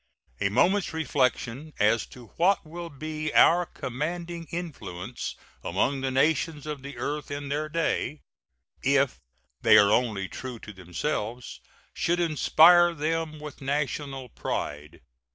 A moment's reflection as to what will be our commanding influence among the nations of the earth in their day, if they are only true to themselves, should inspire them with national pride.